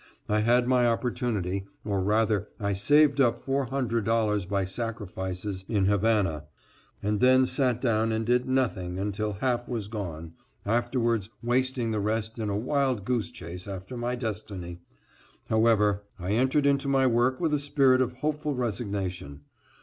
I had my opportunity, or rather I saved up $400 by sacrifices in Havana, and then sat down and did nothing until half was gone, afterwards wasting the rest in a wild goose chase after my destiny. However, I entered into my work with a spirit of hopeful resignation.